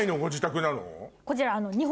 こちら。